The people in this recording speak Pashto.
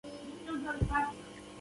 ایا زه باید د ویټامین ډي ټسټ وکړم؟